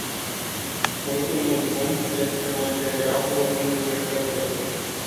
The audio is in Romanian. Ultimul punct este mai degrabă unul neplăcut.